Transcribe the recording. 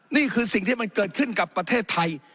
นี่คือสิ่งที่มันเกิดขึ้นกับประเทศไทย